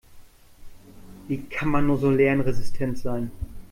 Wie kann man nur so lernresistent sein?